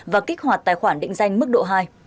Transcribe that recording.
và kích hoạt tài khoản định danh mức độ hai